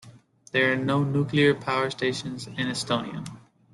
There are no nuclear power stations in Estonia.